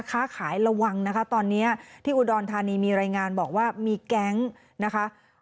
ค้าขายระวังนะคะตอนนี้ที่อุดรธานีมีรายงานบอกว่ามีแก๊งนะคะ